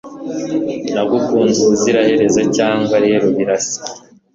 nagukunze ubuziraherezo, cyangwa rero birasa